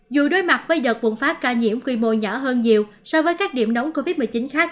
dù đối mặt với đợt bùng phát ca nhiễm quy mô nhỏ hơn nhiều so với các điểm nóng covid một mươi chín khác